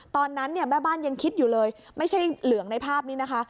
ตอนนั้นเนี่ยแม่บ้านยังคิดอยู่เลยไม่ใช่เหลืองในภาพนี้นะคะ